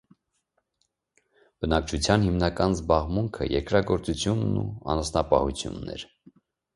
Բնակչության հիմնական զբաղմունքը երկրագրոծությունն ու անասնապահությունն էր։